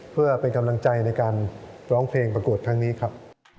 เพื่อเป็นกำลังใจในการร้องเพลงประกวดครั้งนี้ครับ